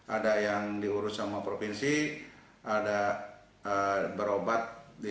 ada yang diurus sama provinsi ada berobat